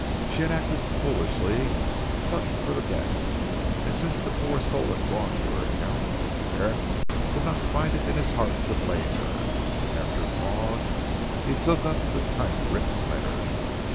She had acted foolishly, but for the best. And since the poor soul had gone to her account Herrick could not find it in his heart to blame her. After a pause he took up the typewritten letter.